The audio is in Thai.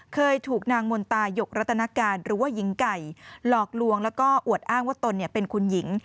เคยถูกนางมนตายกรัตนการหรือว่าหญิงไก่หลอกลวงแล้วก็อวดอ้างว่าตนเป็นคุณหญิง